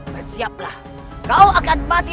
bersiaplah kau akan mati